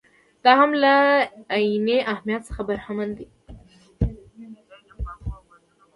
دا هم له عیني اهمیت څخه برخمن دي.